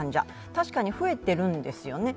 確かに増えてるんですよね。